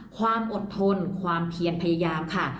ความอดทนความเพียรพยายามค่ะ